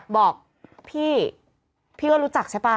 บอกพี่พี่ก็รู้จักใช่ป่ะ